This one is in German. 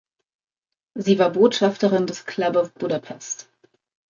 Sie war Botschafterin des Club of Budapest.